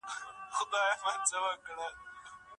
د کلا دېوالونه ډېر لوړ دي.